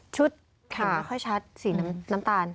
เห็นไม่ค่อยชัดสีน้ำตาล